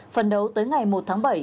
phần đấu tới ngày một tháng bảy